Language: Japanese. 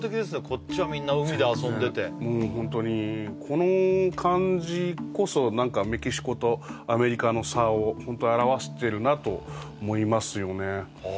こっちはみんな海で遊んでてホントにこの感じこそ何かメキシコとアメリカの差をホント表してるなと思いますよね